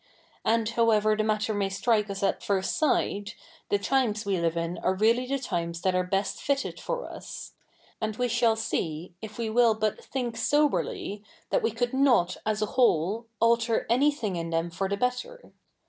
id, hoivever the matter may strike us at fiist sight, the times we live ifi ai e really the times that are best fitted for tcs ; and we shall see, if we ivill but think soberly, that 7ve could not, as a whole, alter anythi?2g in the??i for the better.